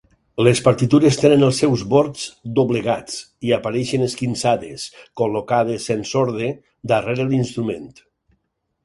Les partitures tenen els seus bords doblegats i apareixen esquinçades, col·locades sense orde darrere l'instrument.